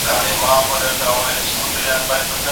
ديپلوماتانو له کلونو راهيسي بهرنۍ اړيکي پاللې.